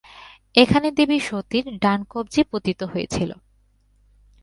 এখানে দেবী সতীর ডান কব্জি পতিত হয়েছিল।